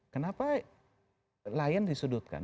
kenapa lion disudutkan